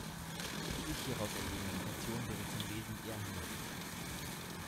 Die sich hieraus ergebende Notation wäre zum Lesen eher hinderlich.